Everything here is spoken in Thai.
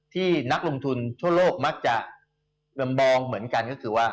ที่นักลงทุนทั่วโลกมักจะมองเหมือนกันก็คือว่า